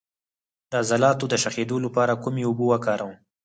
د عضلاتو د شخیدو لپاره کومې اوبه وکاروم؟